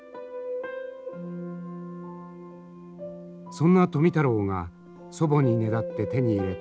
そんな富太郎が祖母にねだって手に入れた本。